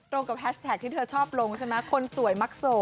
ตรงกับแฮชแท็กที่เธอชอบลงใช่ไหมคนสวยมักโสด